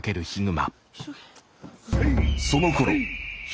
そのころ悲